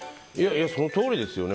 そのとおりですよね。